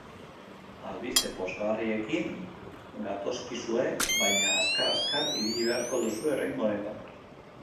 Albiste pozgarriekin gatozkizue, baina azkar-azkar ibili beharko duzue oraingo honetan.